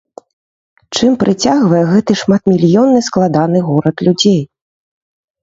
Чым прыцягвае гэты шматмільённы складаны горад людзей?